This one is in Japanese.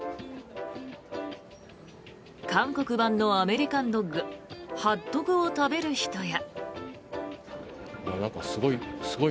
韓国版のアメリカンドッグハットグを食べる人や。